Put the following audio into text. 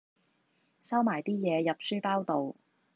收埋啲嘢入書包度